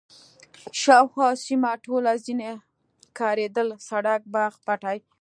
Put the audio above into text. شاوخوا سیمه ټوله ځنې ښکارېدل، سړک، باغ، پټی.